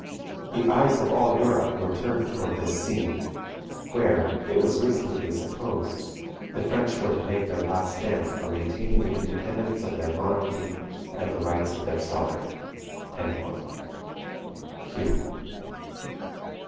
"The eyes of all Europe were turned towards this scene; where, it was reasonably supposed, the French were to make their last stand for maintaining the independence of their monarchy and the rights of their; sovereign" HUME.